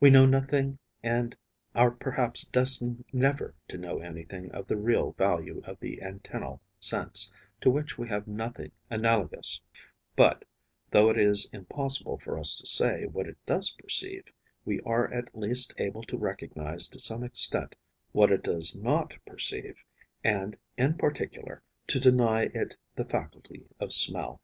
We know nothing and are perhaps destined never to know anything of the real value of the antennal sense, to which we have nothing analogous; but, though it is impossible for us to say what it does perceive, we are at least able to recognize to some extent what it does not perceive and, in particular, to deny it the faculty of smell.